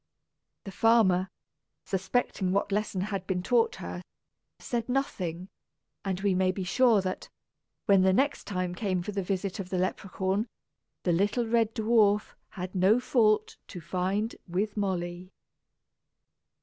The farmer, suspecting what lesson had been taught her, said nothing; and we may be sure that, when the next time came for the visit of the Leperhaun, the little red dwarf had no fault to find with Molly.